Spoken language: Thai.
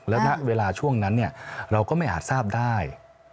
และณเวลาช่วงนั้นเราก็ไม่อาจทราบได้